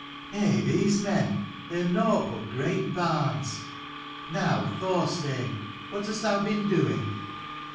Eh, these men, they are nought but great barns. Now, Thorstein, what hast thou been doing